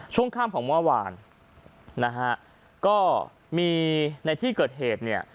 ช่วงค่ำของเมื่อวานนะฮะก็มีในที่เกิดเหตุเนี่ย